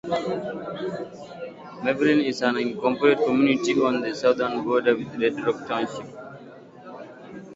Mayville is an unincorporated community on the southern border with Red Rock Township.